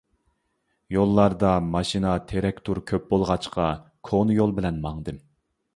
يوللاردا ماشىنا، تېرەكتۇر كۆپ بولغاچقا كونا يول بىلەن ماڭدىم.